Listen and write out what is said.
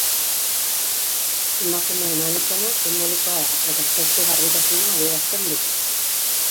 Emakumeen abizena sinbolikoa da eta sexu-garbitasuna adierazten du.